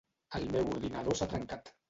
El meu ordinador s'ha trencat.